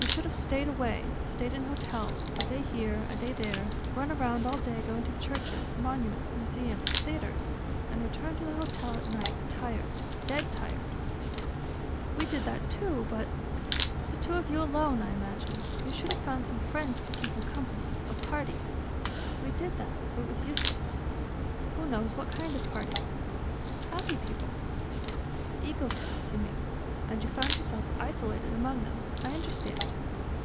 You should have stayed away, stayed in hotels, a day here, a day there; run around all day going to churches, monuments, museums, theaters, and returned to the hotel at night tired, dead tired ..." "We did that too, but ..." "The two of you alone, I imagine. You should have found some friends to keep you company, a party ..." "We did that; it was useless." "Who knows what kind of party!" "Happy people ..." "Egotists, you mean, and you found yourselves isolated among them, I understand